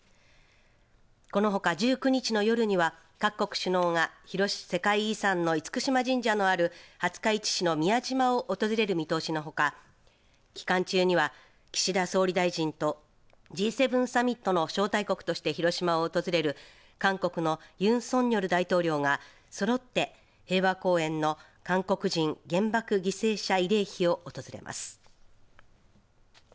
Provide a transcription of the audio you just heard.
このほか１９日の夜には各国首脳が世界遺産の厳島神社のある廿日市市の宮島を訪れる見通しのほか期間中には岸田総理大臣とＧ７サミットの招待国として広島を訪れる韓国のユン・ソンニョル大統領がそろって平和公園の韓国人原爆犠牲者慰霊碑を訪れます。